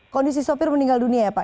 kondisi sopir meninggal dunia ya pak